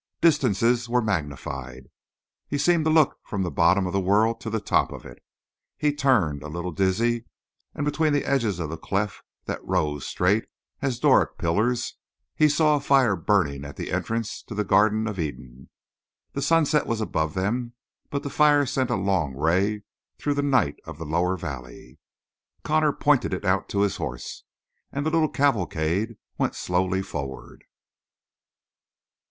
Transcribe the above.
Distances were magnified; he seemed to look from the bottom of the world to the top of it; he turned, a little dizzy, and between the edges of the cleft that rose straight as Doric pillars, he saw a fire burning at the entrance to the Garden of Eden. The sunset was above them, but the fire sent a long ray through the night of the lower valley. Connor pointed it out to his horse, and the little cavalcade went slowly forward.